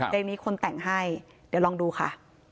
เพลงนี้คนแต่งให้เดี๋ยวลองดูค่ะ